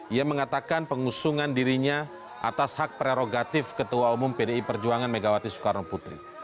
ia mengatakan pengusungan dirinya atas hak prerogatif ketua umum pdi perjuangan megawati soekarno putri